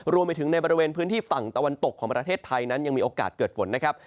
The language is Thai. รวมไปถึงในบริเวณพื้นที่ฝั่งตะวันตกของประเทศไทยนั้นยังมีโอกาสเกิดฝนนะครับ